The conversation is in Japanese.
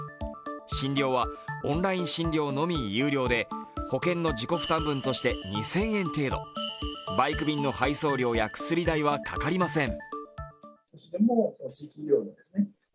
診療はオンライン診療のみ有料で、保険の自己負担分として２０００円程度、バイク便の配送料や薬代はかかりません。